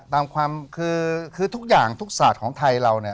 ตามความคือทุกอย่างทุกศาสตร์ของไทยเราเนี่ย